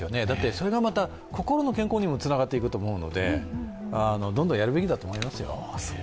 それがまた心の健康にもつながっていくと思うのでどんどんやるべきだと思いますよ。